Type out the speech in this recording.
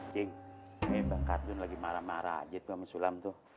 cik ini bang kartun lagi marah marah aja tuh sama sulam tuh